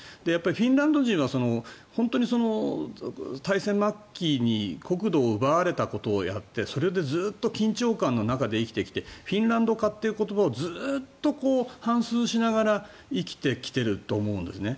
フィンランド人は本当に大戦末期に国土を奪われたことをやってそれでずっと緊張感の中で生きてきてフィンランド化という言葉をずっと反すうしながら生きてきていると思うんですね。